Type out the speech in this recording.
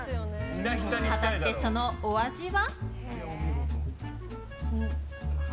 果たしてそのお味は？